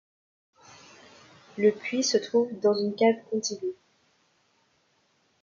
Le puits se trouve dans une cave contiguë.